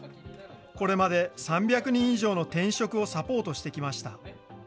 これまで３００人以上の転職をサポートしてきました。